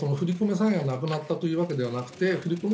詐欺がなくなったということではなくて振り込め